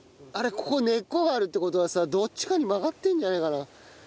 ここ根っこがあるって事はさどっちかに曲がってるんじゃねえかな？